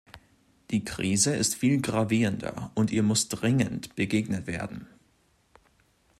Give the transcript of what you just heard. Die Krise ist viel gravierender, und ihr muss dringend begegnet werden.